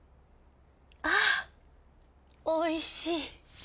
あおいしい。